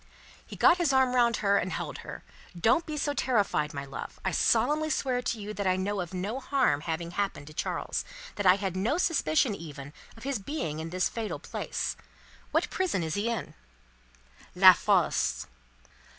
He got his arm round her, and held her. "Don't be so terrified, my love. I solemnly swear to you that I know of no harm having happened to Charles; that I had no suspicion even of his being in this fatal place. What prison is he in?" "La Force!"